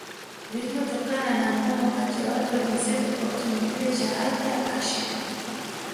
vilivyotokana na ngono kati ya watu wa jinsia tofauti ni kile cha Arthur Ashe